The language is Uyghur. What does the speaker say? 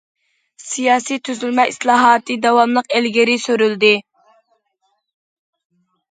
سىياسىي تۈزۈلمە ئىسلاھاتى داۋاملىق ئىلگىرى سۈرۈلدى.